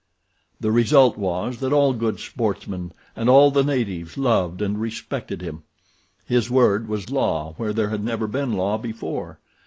The result was that all good sportsmen and all the natives loved and respected him. His word was law where there had never been law before.